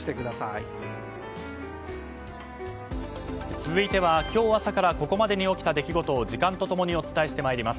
続いては今日朝からここまでに起きた出来事を時間と共にお伝えしてまいります。